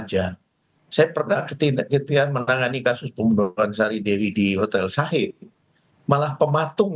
dari tiga tersangka yang saat ini masih buron